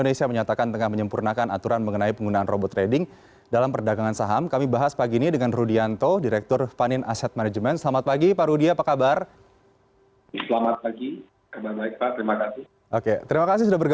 nah kalau kita ingin bermain ataupun menggunakan robot trading dalam berinvestasi bagaimana kita bisa memastikan bahwa robot yang kita gunakan aman pak